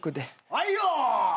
はいよ！